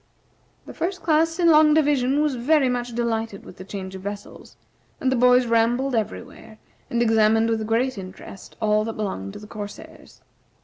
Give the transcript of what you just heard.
The First Class in Long Division was very much delighted with the change of vessels, and the boys rambled everywhere, and examined with great interest all that belonged to the corsairs.